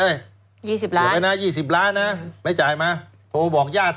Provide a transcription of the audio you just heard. ยี่สิบล้านเดี๋ยวไปนะยี่สิบล้านนะไม่จ่ายมาโทรบอกญาติซะ